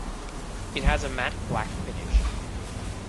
It has a matte black finish.